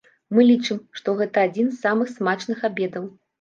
Мы лічым, што гэта адзін з самых смачных абедаў.